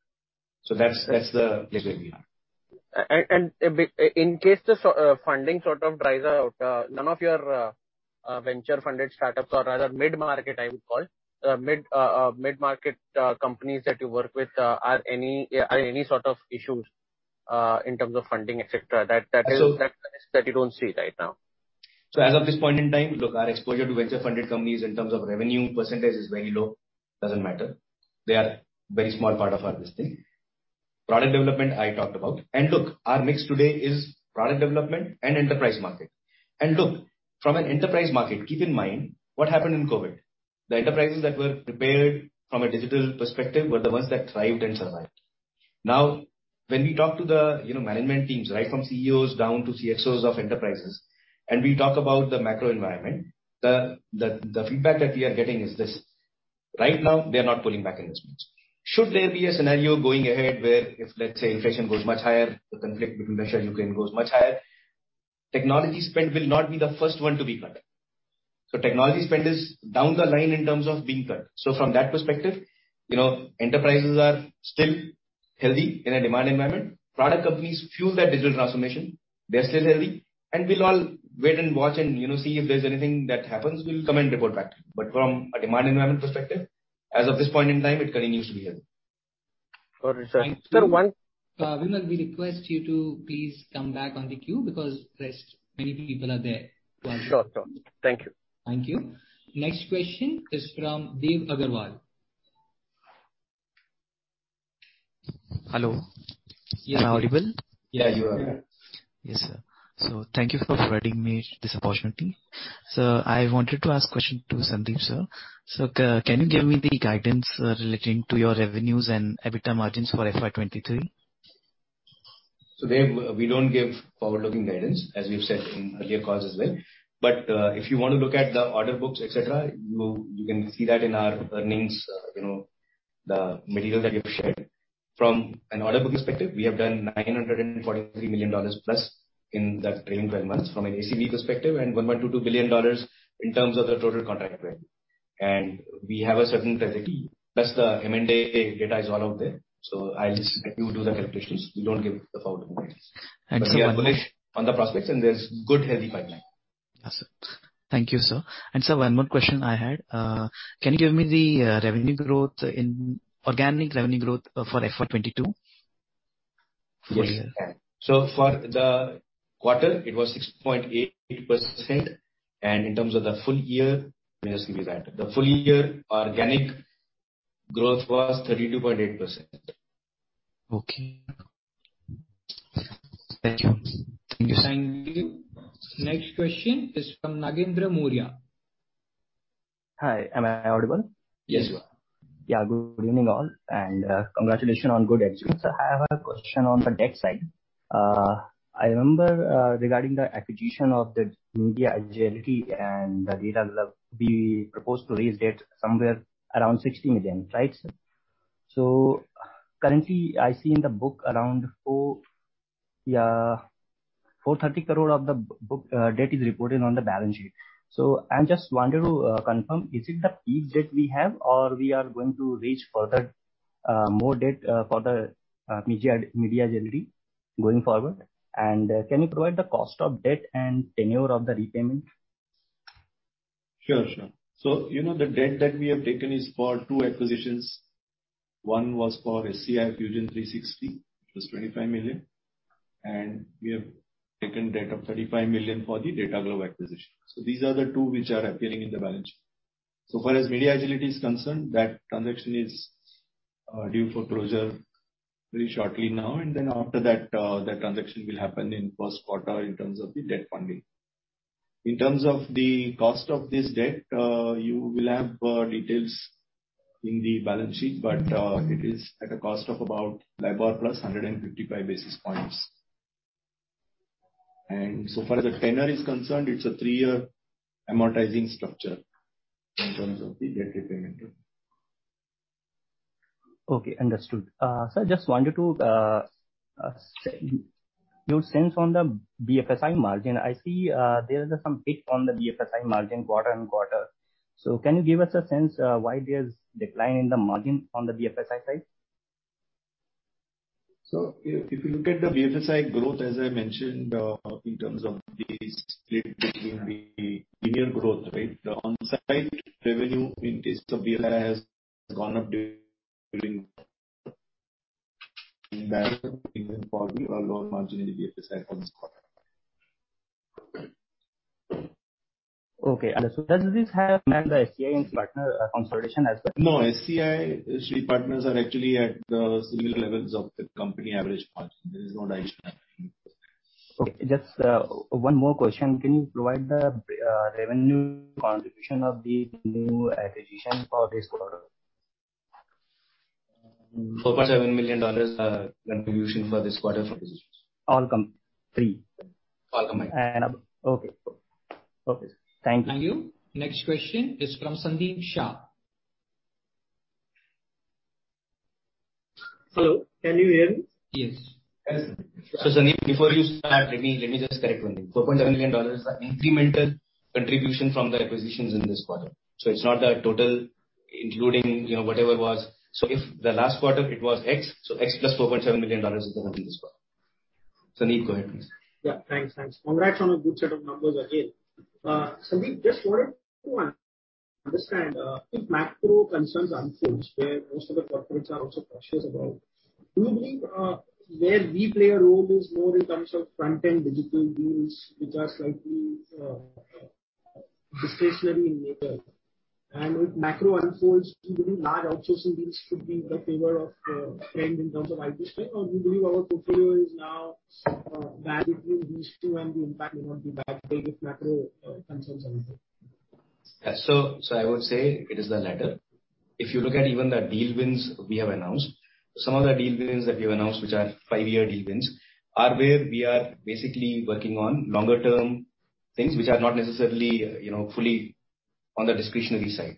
[SPEAKER 2] That's the place where we are.
[SPEAKER 6] in case the funding sort of dries out, none of your venture funded startups or rather mid-market, I would call, mid-market companies that you work with are any sort of issues in terms of funding, et cetera?
[SPEAKER 2] So-
[SPEAKER 6] That you don't see right now.
[SPEAKER 2] As of this point in time, look, our exposure to venture funded companies in terms of revenue percentage is very low. Doesn't matter. They are very small part of our business. Product development, I talked about. Look, our mix today is product development and enterprise market. Look, from an enterprise market, keep in mind what happened in COVID. The enterprises that were prepared from a digital perspective were the ones that thrived and survived. Now, when we talk to the, you know, management teams, right from CEOs down to CXOs of enterprises, and we talk about the macro environment, the feedback that we are getting is this. Right now they are not pulling back investments. Should there be a scenario going ahead where if, let's say, inflation goes much higher, the conflict between Russia and Ukraine goes much higher, technology spend will not be the first one to be cut. Technology spend is down the line in terms of being cut. From that perspective, you know, enterprises are still healthy in a demand environment. Product companies fuel that digital transformation. They're still healthy, and we'll all wait and watch and, you know, see if there's anything that happens, we'll come and report back. From a demand environment perspective, as of this point in time, it continues to be healthy.
[SPEAKER 1] Got it, sir. Sir, Vimal, we request you to please come back on the queue because there's many people are there to ask.
[SPEAKER 6] Sure.
[SPEAKER 1] Thank you. Next question is from Dev Agarwal.
[SPEAKER 7] Hello, are you audible?
[SPEAKER 2] Yeah, you are.
[SPEAKER 7] Yes, sir. Thank you for providing me this opportunity. Sir, I wanted to ask question to Sandeep, sir. Sir, can you give me the guidance relating to your revenues and EBITDA margins for FY 2023?
[SPEAKER 2] Dev, we don't give forward-looking guidance, as we've said in earlier calls as well. If you want to look at the order books, et cetera, you can see that in our earnings, you know, the material that we have shared. From an order book perspective, we have done $943 million+ in the trailing twelve months from an ACV perspective and $1.22 billion in terms of the total contract value. We have a certain trajectory, plus the M&A data is all out there. I'll just let you do the calculations. We don't give the forward-looking guidance.
[SPEAKER 7] Excellent.
[SPEAKER 2] We are bullish on the prospects and there's good healthy pipeline.
[SPEAKER 7] That's it. Thank you, sir. Sir, one more question I had. Can you give me the organic revenue growth for FY 2022? Full year.
[SPEAKER 2] Yes. For the quarter it was 6.8%. In terms of the full year, let me just give you that. The full year organic growth was 32.8%.
[SPEAKER 7] Okay. Thank you. Thank you, sir.
[SPEAKER 1] Thank you. Next question is from Nagendra Mula.
[SPEAKER 8] Hi. Am I audible?
[SPEAKER 2] Yes, you are.
[SPEAKER 8] Yeah, good evening all. Congratulations on good earnings. I have a question on the debt side. I remember regarding the acquisition of the MediaAgility and the Data Glove, we proposed to raise debt somewhere around 16 million, right? So currently I see in the book around 430 crore of the book debt is reported on the balance sheet. I just wanted to confirm, is it the peak debt we have or we are going to raise further debt for the MediaAgility going forward? Can you provide the cost of debt and tenure of the repayment?
[SPEAKER 2] You know, the debt that we have taken is for two acquisitions. One was for SCI Fusion 360, it was $25 million. We have taken debt of $35 million for the Data Glove acquisition. These are the two which are appearing in the balance sheet. MediaAgility is concerned, that transaction is due for closure very shortly now. After that, the transaction will happen in first quarter in terms of the debt funding. In terms of the cost of this debt, you will have details in the balance sheet, but it is at a cost of about LIBOR plus 155 basis points. The tenure is concerned, it's a 3-year amortizing structure in terms of the debt repayment.
[SPEAKER 8] Okay, understood. I just wanted to get your sense on the BFSI margin. I see there is some hit on the BFSI margin quarter on quarter. Can you give us a sense why there's decline in the margin on the BFSI side?
[SPEAKER 2] If you look at the BFSI growth, as I mentioned, in terms of the split between the linear growth, right? The on-site revenue increase of BFSI has gone up during a lower margin in the BFSI from this quarter.
[SPEAKER 8] Okay. Does this have impact the SCI and Shree Partners consolidation as well?
[SPEAKER 2] No, SCI partners are actually at similar levels of the company average margin. There is no
[SPEAKER 8] Okay. Just one more question. Can you provide the revenue contribution of the new acquisition for this quarter?
[SPEAKER 2] $4.7 million are contribution for this quarter for acquisitions.
[SPEAKER 8] All combined three.
[SPEAKER 2] All combined.
[SPEAKER 8] Okay. Thank you.
[SPEAKER 9] Thank you. Next question is from Sandeep Shah.
[SPEAKER 10] Hello, can you hear me?
[SPEAKER 2] Yes. Sandeep before you start, let me just correct one thing. $4.7 million is the incremental contribution from the acquisitions in this quarter. It's not the total including, you know, whatever it was. If the last quarter it was X, so X plus $4.7 million is the revenue this quarter. Sandeep, go ahead please.
[SPEAKER 10] Yeah, thanks. Thanks. Congrats on a good set of numbers again. Sandeep just wanted to understand if macro concerns unfolds where most of the corporates are also cautious about. Do you believe where we play a role is more in terms of front-end digital deals which are slightly discretionary in nature. If macro unfolds, do you believe large outsourcing deals could be in the favor of trend in terms of IP space, or we believe our portfolio is now balanced between these two and the impact may not be that big if macro concerns unfolds.
[SPEAKER 2] I would say it is the latter. If you look at even the deal wins we have announced. Some of the deal wins that we have announced, which are five-year deal wins, are where we are basically working on longer term things which are not necessarily, you know, fully on the discretionary side.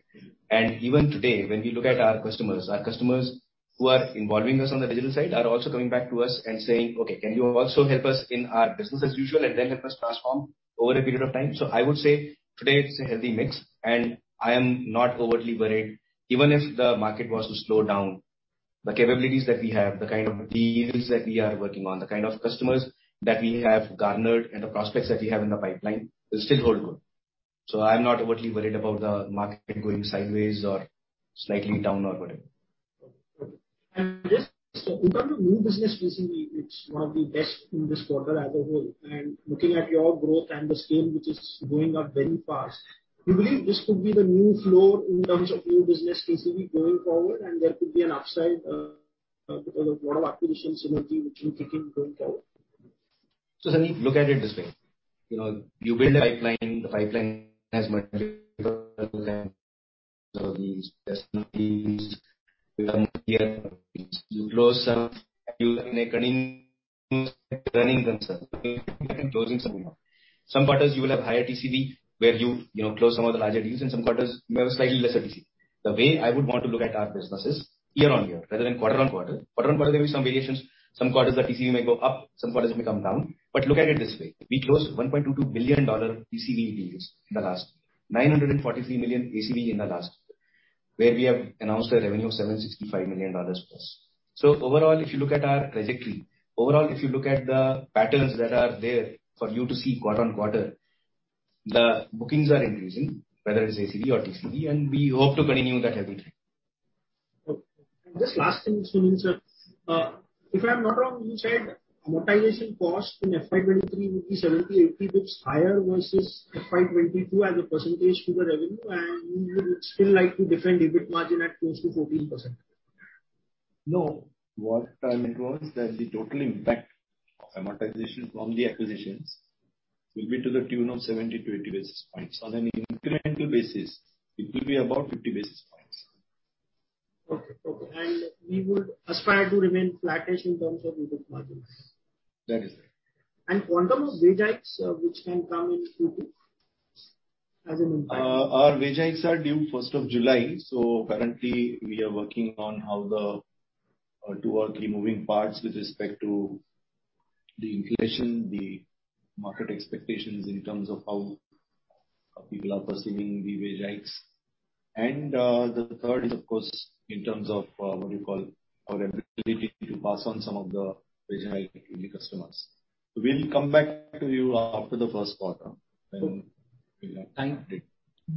[SPEAKER 2] Even today when we look at our customers. Our customers who are involving us on the digital side are also coming back to us and saying, "Okay, can you also help us in our business as usual and then help us transform over a period of time?" I would say today it's a healthy mix, and I am not overly worried. Even if the market was to slow down, the capabilities that we have, the kind of deals that we are working on, the kind of customers that we have garnered, and the prospects that we have in the pipeline will still hold good. I'm not overly worried about the market going sideways or slightly down or whatever.
[SPEAKER 10] Okay. Just in terms of new business TCV, it's one of the best in this quarter as a whole, and looking at your growth and the scale, which is going up very fast. Do you believe this could be the new floor in terms of new business TCV going forward and there could be an upside, because of lot of acquisition synergy which will kick in going forward?
[SPEAKER 2] Sunny, look at it this way. You know, you build a pipeline. The pipeline has multiple. You close some. You lose some. Some quarters you will have higher TCV, where you know, close some of the larger deals and some quarters may have a slightly lesser TCV. The way I would want to look at our business is year-on-year rather than quarter-on-quarter. Quarter-on-quarter, there'll be some variations. Some quarters the TCV may go up, some quarters it may come down. Look at it this way. We closed $1.22 billion TCV deals in the last. $943 million ACV in the last quarter, where we have announced a revenue of $765 million+. Overall, if you look at our trajectory. Overall, if you look at the patterns that are there for you to see quarter on quarter, the bookings are increasing, whether it's ACV or TCV, and we hope to continue that healthy trend.
[SPEAKER 10] Okay. Just last thing, Sunil, sir. If I'm not wrong, you said amortization cost in FY 2023 would be 70-80 basis points higher versus FY 2022 as a percentage to the revenue, and you would still like to defend EBIT margin at close to 14%.
[SPEAKER 3] No. What I meant was that the total impact of amortization from the acquisitions will be to the tune of 70 basis points-80 basis points. On an incremental basis, it will be about 50 basis points.
[SPEAKER 10] Okay, okay. We would aspire to remain flattish in terms of EBIT margins.
[SPEAKER 3] That is right.
[SPEAKER 10] Quantum of wage hikes, which can come in Q2 as an impact.
[SPEAKER 3] Our wage hikes are due first of July. Currently we are working on how the two or three moving parts with respect to the inflation, the market expectations in terms of how people are perceiving the wage hikes. The third is of course in terms of what do you call, our ability to pass on some of the wage hike to the customers. We'll come back to you after the first quarter.
[SPEAKER 10] Cool.
[SPEAKER 3] We'll update.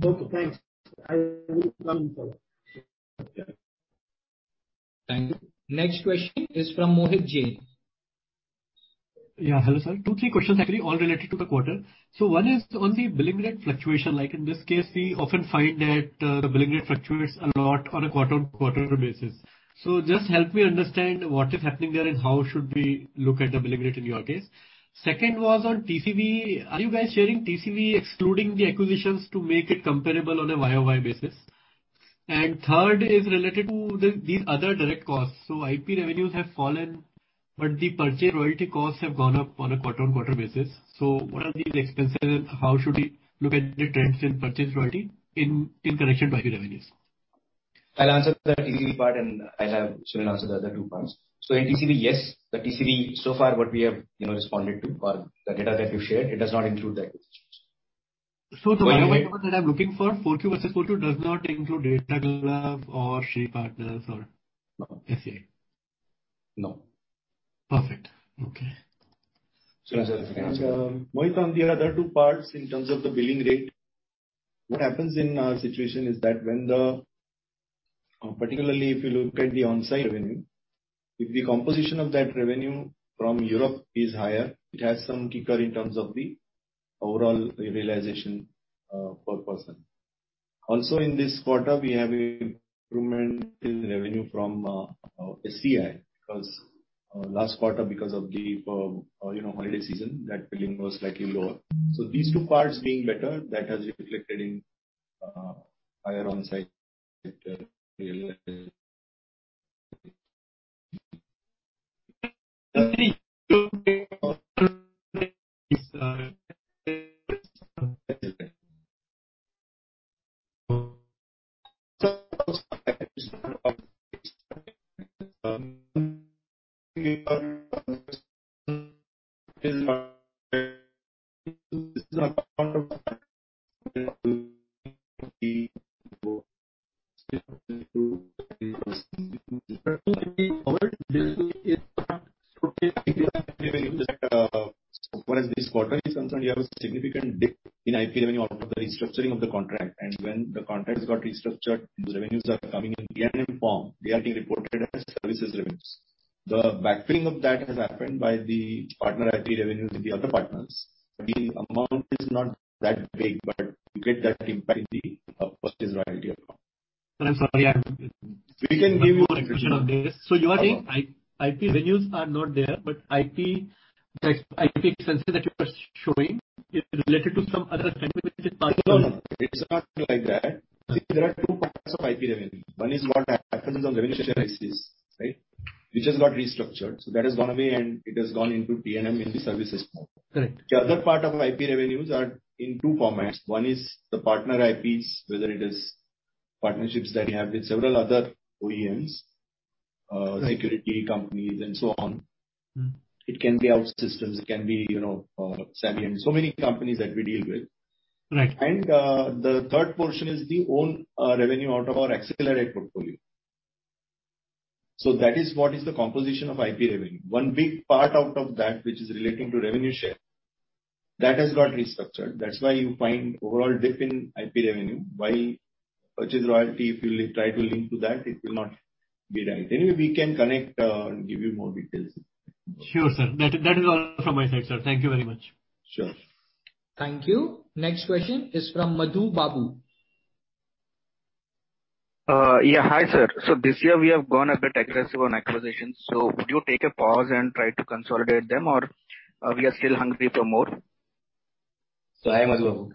[SPEAKER 10] Okay, thanks. I will come in follow up.
[SPEAKER 9] Thank you. Next question is from Mohit Jain.
[SPEAKER 11] Yeah. Hello, sir. 2, 3 questions actually all related to the quarter. One is on the billing rate fluctuation, like in this case, we often find that, the billing rate fluctuates a lot on a quarter-on-quarter basis. Just help me understand what is happening there and how should we look at the billing rate in your case. Second was on TCV. Are you guys sharing TCV excluding the acquisitions to make it comparable on a YOY basis? And third is related to these other direct costs. IP revenues have fallen, but the purchase royalty costs have gone up on a quarter-on-quarter basis. What are these expenses and how should we look at the trends in purchase royalty in connection to IP revenues?
[SPEAKER 2] I'll answer the TCV part, and I'll have Sunil answer the other two parts. In TCV, yes. The TCV so far what we have, you know, responded to or the data that you've shared, it does not include the acquisitions.
[SPEAKER 11] The YOY that I'm looking for, 42 versus 42, does not include Data Glove or Shree Partners or SCI?
[SPEAKER 2] No.
[SPEAKER 11] Perfect. Okay.
[SPEAKER 2] So as a-
[SPEAKER 3] Mohit, on the other two parts in terms of the billing rate. What happens in our situation is that particularly if you look at the onsite revenue. If the composition of that revenue from Europe is higher, it has some kicker in terms of the overall realization per person. Also in this quarter, we have an improvement in revenue from you know, SCI, because last quarter because of the holiday season, that billing was slightly lower. These two parts being better, that has reflected in higher onsite. As far as this quarter is concerned, you have a significant dip in IP revenue out of the restructuring of the contract. When the contracts got restructured, the revenues are coming in PNM form. They are being reported as services revenues. The backfilling of that has happened by the partner IP revenues in the other partners. The amount is not that big, but you get that impact in the purchase royalty amount.
[SPEAKER 11] I'm sorry.
[SPEAKER 3] We can give you.
[SPEAKER 11] One more question on this. You are saying IP revenues are not there, but the IP expenses that you are showing is related to some other company which is partner or-
[SPEAKER 3] No, no. It's not like that. There are two parts of IP revenue. One is what happens on revenue share basis, right? Which has got restructured, so that has gone away, and it has gone into PNM in the services now.
[SPEAKER 11] Correct.
[SPEAKER 3] The other part of IP revenues are in two formats. One is the partner IPs, whether it is partnerships that we have with several other OEMs.
[SPEAKER 11] Right.
[SPEAKER 3] Security companies and so on.
[SPEAKER 11] Mm-hmm.
[SPEAKER 3] It can be OutSystems, it can be, you know, Saviynt. So many companies that we deal with.
[SPEAKER 11] Right.
[SPEAKER 3] The third portion is our own revenue out of our Accelerate portfolio. That is what is the composition of IP revenue. One big part out of that, which is relating to revenue share, that has got restructured. That's why you find overall dip in IP revenue. While perpetual royalty, if you try to link to that, it will not be right. Anyway, we can connect and give you more details.
[SPEAKER 11] Sure, sir. That is all from my side, sir. Thank you very much.
[SPEAKER 3] Sure.
[SPEAKER 9] Thank you. Next question is from Madhu Babu.
[SPEAKER 12] Yeah. Hi, sir. This year we have gone a bit aggressive on acquisitions. Would you take a pause and try to consolidate them or are we still hungry for more?
[SPEAKER 2] Hi, Madhu Babu.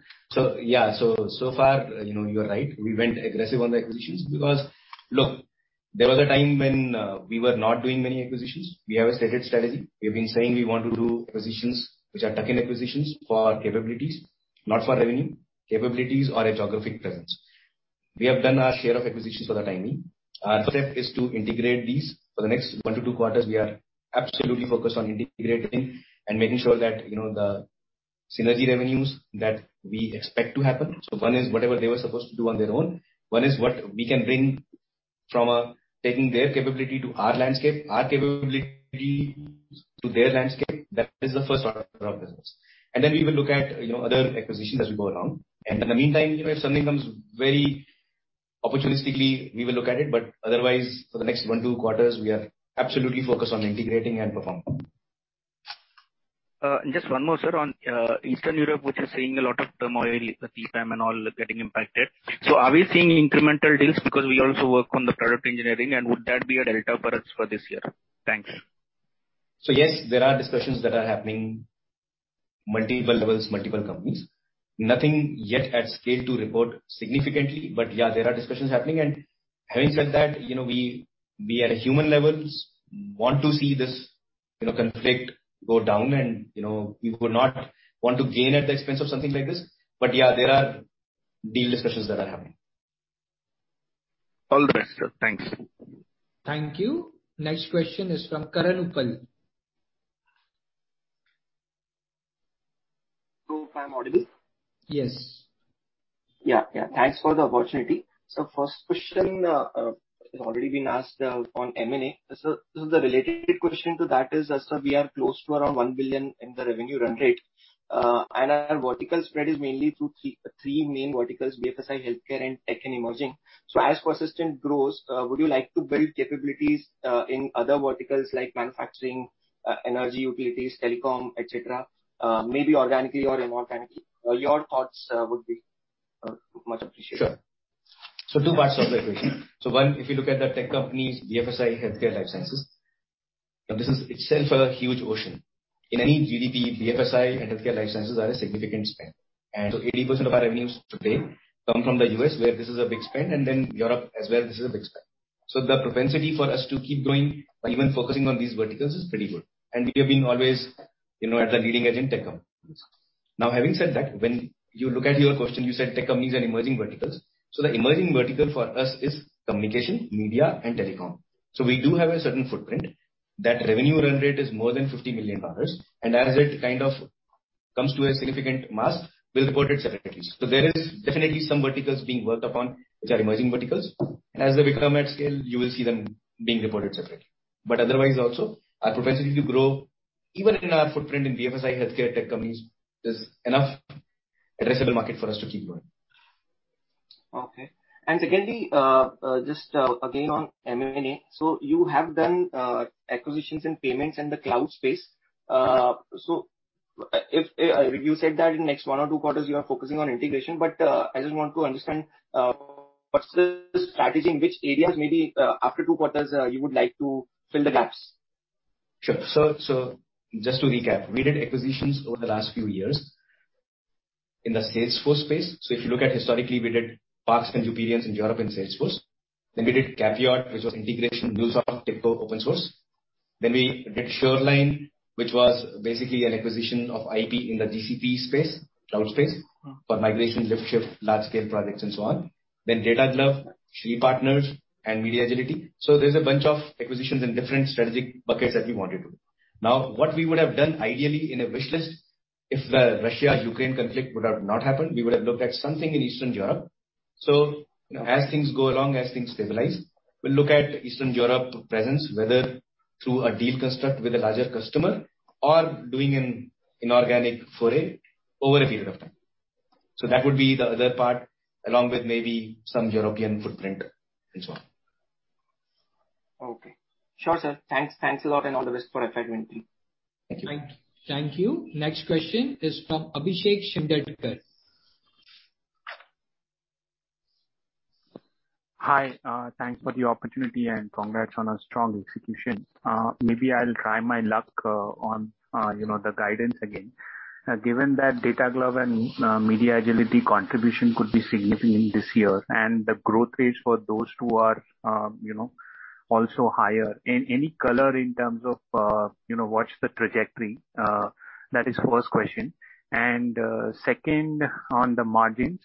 [SPEAKER 2] Yeah. So far, you know, you are right. We went aggressive on the acquisitions because, look, there was a time when we were not doing many acquisitions. We have a stated strategy. We've been saying we want to do acquisitions which are tuck-in acquisitions for capabilities, not for revenue. Capabilities or a geographic presence. We have done our share of acquisitions for the time being. Our first step is to integrate these. For the next one to two quarters, we are absolutely focused on integrating and making sure that, you know, the synergy revenues that we expect to happen. One is whatever they were supposed to do on their own. One is what we can bring from taking their capability to our landscape, our capability to their landscape. That is the first order of business. We will look at, you know, other acquisitions as we go around. In the meantime, if something comes very opportunistically, we will look at it, but otherwise, for the next 1-2 quarters, we are absolutely focused on integrating and performing.
[SPEAKER 12] Just one more, sir. On Eastern Europe, which is seeing a lot of turmoil, the tip time and all getting impacted. Are we seeing incremental deals because we also work on the product engineering and would that be a delta for us for this year? Thanks.
[SPEAKER 2] Yes, there are discussions that are happening, multiple levels, multiple companies. Nothing yet at scale to report significantly. Yeah, there are discussions happening. Having said that, you know, we at a human level want to see this, you know, conflict go down and, you know, we would not want to gain at the expense of something like this. Yeah, there are deal discussions that are happening.
[SPEAKER 12] All the best, sir. Thanks.
[SPEAKER 9] Thank you. Next question is from Karan Uppal.
[SPEAKER 13] If I'm audible?
[SPEAKER 9] Yes.
[SPEAKER 13] Yeah, yeah. Thanks for the opportunity. First question has already been asked on M&A. The related question to that is, we are close to around $1 billion in the revenue run rate. And our vertical spread is mainly through three main verticals, BFSI, healthcare and tech and emerging. As Persistent grows, would you like to build capabilities in other verticals like manufacturing, energy, utilities, telecom, et cetera? Maybe organically or inorganically. Your thoughts would be much appreciated.
[SPEAKER 2] Two parts of the equation. One, if you look at the tech companies, BFSI, healthcare, life sciences, this is itself a huge ocean. In any GDP, BFSI and healthcare, life sciences are a significant spend. 80% of our revenues today come from the U.S. where this is a big spend, and then Europe as well, this is a big spend. The propensity for us to keep growing by even focusing on these verticals is pretty good. We have been always, you know, at the leading edge in tech companies. Now, having said that, when you look at your question, you said tech companies and emerging verticals. The emerging vertical for us is communication, media and telecom. We do have a certain footprint. That revenue run rate is more than $50 million. As it kind of comes to a significant mass, we'll report it separately. There is definitely some verticals being worked upon which are emerging verticals. As they become at scale, you will see them being reported separately. Otherwise also, our propensity to grow even in our footprint in BFSI, healthcare, tech companies, there's enough addressable market for us to keep growing.
[SPEAKER 13] Okay. Secondly, just again on M&A. You have done acquisitions in payments and the cloud space. If you said that in next one or two quarters you are focusing on integration, but I just want to understand what's the strategy, in which areas maybe, after two quarters, you would like to fill the gaps?
[SPEAKER 2] Sure. Just to recap, we did acquisitions over the last few years in the Salesforce space. If you look at it historically, we did PARX and youperience in Europe in Salesforce. We did CAPIOT, which was integration, MuleSoft, TIBCO open source. We did Shoreline, which was basically an acquisition of IP in the GCP space, cloud space.
[SPEAKER 13] Mm-hmm.
[SPEAKER 2] For migration, lift, shift, large scale projects and so on. Data Glove, Shree Partners and MediaAgility. There's a bunch of acquisitions in different strategic buckets that we wanted to. Now, what we would have done ideally in a wishlist. If the Russia-Ukraine conflict would have not happened, we would have looked at something in Eastern Europe. You know, as things go along, as things stabilize, we'll look at Eastern Europe presence, whether through a deal construct with a larger customer or doing an inorganic foray over a period of time. That would be the other part along with maybe some European footprint and so on.
[SPEAKER 13] Okay. Sure, sir. Thanks. Thanks a lot, and all the best for FY 2023.
[SPEAKER 2] Thank you.
[SPEAKER 9] Thank you. Next question is from Abhishek Shindadkar.
[SPEAKER 14] Hi, thanks for the opportunity and congrats on a strong execution. Maybe I'll try my luck on, you know, the guidance again. Given that Data Glove and MediaAgility contribution could be significant this year and the growth rates for those two are, you know, also higher. Any color in terms of, you know, what's the trajectory? That is first question. Second, on the margins.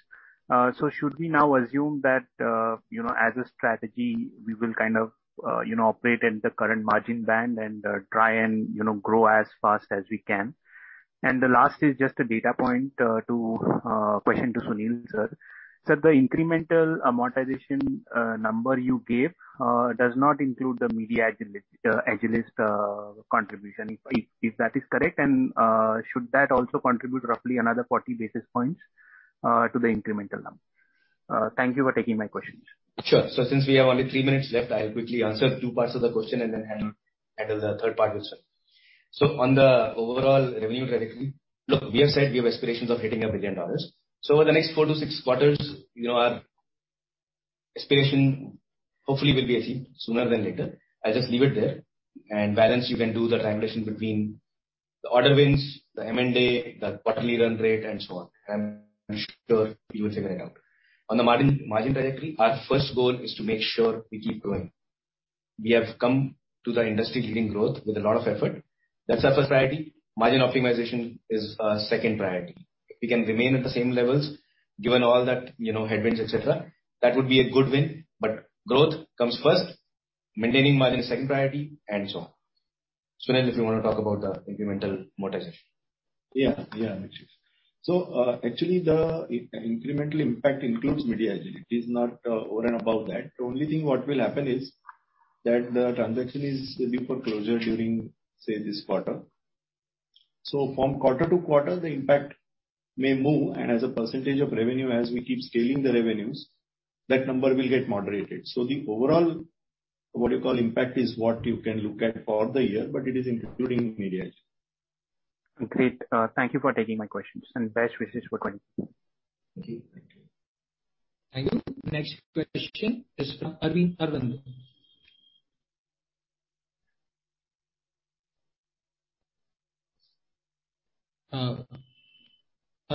[SPEAKER 14] So should we now assume that, you know, as a strategy, we will kind of, you know, operate in the current margin band and, try and, you know, grow as fast as we can? The last is just a data point to question to Sunil, sir. Sir, the incremental amortization number you gave does not include the MediaAgility contribution. If that is correct, and should that also contribute roughly another 40 basis points to the incremental number? Thank you for taking my questions.
[SPEAKER 2] Sure. Since we have only three minutes left, I'll quickly answer two parts of the question and then handle the third part to Sunil. On the overall revenue trajectory, look, we have said we have aspirations of hitting $1 billion. Over the next four to six quarters, you know, our aspiration hopefully will be achieved sooner than later. I'll just leave it there. And balance, you can do the triangulation between the order wins, the M&A, the quarterly run rate, and so on. And I'm sure you will figure it out. On the margin trajectory, our first goal is to make sure we keep growing. We have come to the industry-leading growth with a lot of effort. That's our first priority. Margin optimization is our second priority. If we can remain at the same levels, given all that, you know, headwinds, et cetera, that would be a good win. Growth comes first, maintaining margin is second priority, and so on. Sunil, if you wanna talk about the incremental amortization.
[SPEAKER 3] Yeah. Yeah, Abhishek. Actually, the incremental impact includes MediaAgility. It is not over and above that. The only thing what will happen is that the transaction will be for closure during, say, this quarter. From quarter to quarter, the impact may move. As a percentage of revenue, as we keep scaling the revenues, that number will get moderated. The overall, what you call impact, is what you can look at for the year, but it is including MediaAgility.
[SPEAKER 14] Great. Thank you for taking my questions, and best wishes for growth.
[SPEAKER 2] Thank you.
[SPEAKER 3] Thank you.
[SPEAKER 9] Thank you. Next question is from Arvind Aravindan. Arvind,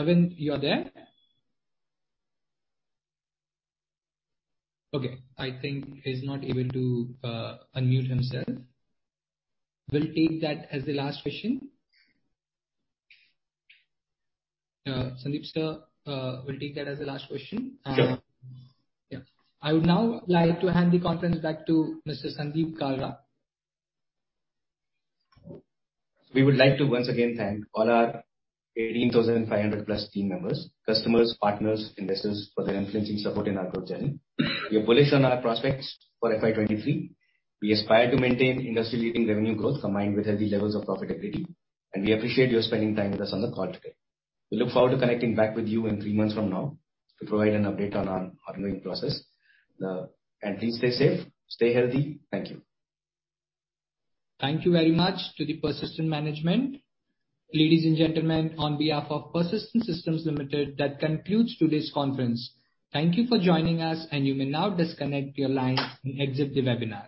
[SPEAKER 9] you are there? Okay. I think he's not able to unmute himself. We'll take that as the last question. Sandeep, sir, we'll take that as the last question.
[SPEAKER 2] Sure.
[SPEAKER 1] Yeah. I would now like to hand the conference back to Mr. Sandeep Kalra.
[SPEAKER 2] We would like to once again thank all our 18,500+ team members, customers, partners, investors for their influencing support in our growth journey. We are bullish on our prospects for FY 2023. We aspire to maintain industry-leading revenue growth combined with healthy levels of profitability. We appreciate your spending time with us on the call today. We look forward to connecting back with you in three months from now to provide an update on our ongoing process. Please stay safe, stay healthy. Thank you.
[SPEAKER 1] Thank you very much to the Persistent management. Ladies and gentlemen, on behalf of Persistent Systems Limited, that concludes today's conference. Thank you for joining us, and you may now disconnect your line and exit the webinar.